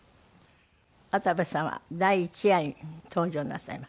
渡部さんは第１夜に登場なさいます。